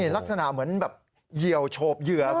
ลักษณะเหมือนแบบเหยียวโฉบเหยื่อ